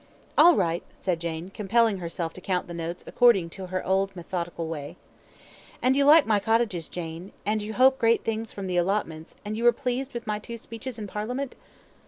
"All right," said Jane, compelling herself to count the notes according to her old methodical way. "And you like my cottages, Jane, and you hope great things from the allotments, and you were pleased with my two speeches in parliament?